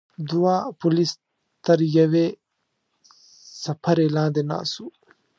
دوه پولیس تر یوې څپرې لاندې ناست وو.